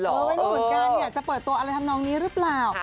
เหมือนกันจะเปิดตัวอะไรทำนองนี้หรือเปล่า